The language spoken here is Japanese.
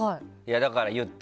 だから言った。